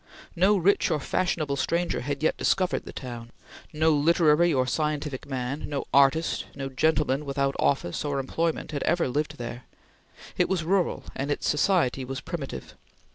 No rich or fashionable stranger had yet discovered the town. No literary or scientific man, no artist, no gentleman without office or employment, had ever lived there. It was rural, and its society was primitive.